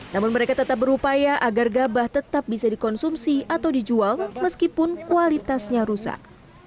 namun mereka tetap berupaya agar gabah tetap bisa dikonsumsi atau dijual meskipun kualitasnya rusak